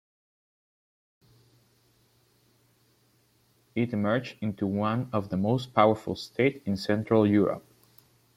It emerged into one of the most powerful state in Central Europe.